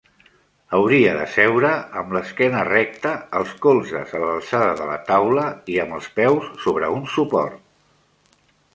Hauria de seure amb l'esquena recta, els colzes a l'alçada de la taula i amb els peus sobre un suport.